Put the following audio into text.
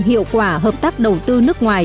hiệu quả hợp tác đầu tư nước ngoài